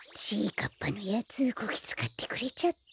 かっぱのやつこきつかってくれちゃって。